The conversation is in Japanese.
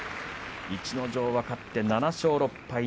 逸ノ城は勝って７勝６敗。